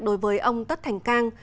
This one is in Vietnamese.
đối với ông tất thành cang